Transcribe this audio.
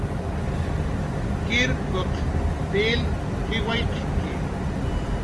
Armat wakr waskiriq vil jiwaqki